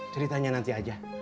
ceritanya nanti aja